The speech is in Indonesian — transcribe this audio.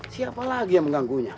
siapa lagi yang mengganggu dia